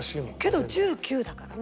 けど１０９だからね。